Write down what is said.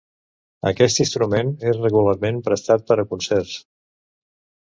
Aquest instrument és regularment prestat per a concerts.